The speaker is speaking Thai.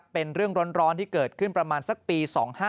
เป็นเรื่องร้อนที่เกิดขึ้นประมาณสักปี๒๕๕